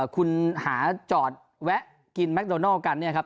คุณหาจอดแวะกินแมคโดนัลกันเนี่ยครับ